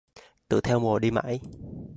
Tuổi theo mùa đi mãi